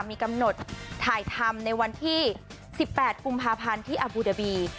มีกำหนดถ่ายทำในวันที่๑๘กุมภาพันธ์ที่อบูเดบี